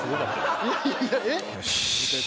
いやいやえっ？